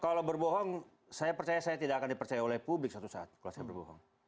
kalau berbohong saya percaya saya tidak akan dipercaya oleh publik suatu saat kalau saya berbohong